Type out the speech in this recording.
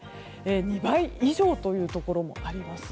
２倍以上というところもあります。